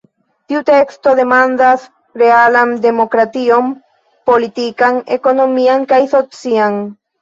Tiu teksto demandas realan demokration politikan, ekonomian kaj socian.